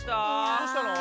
どうしたの？